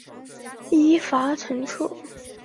依法惩处